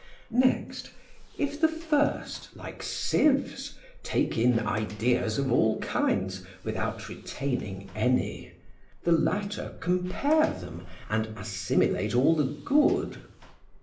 Next, if the first, like sieves, take in ideas of all kinds without retaining any, the latter compare them and assimilate all the good.